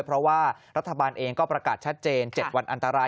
เพราะว่ารัฐบาลเองก็ประกาศชัดเจน๗วันอันตราย